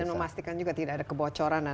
dan memastikan juga tidak ada kebocoran